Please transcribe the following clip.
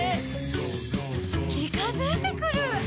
「ちかづいてくる！」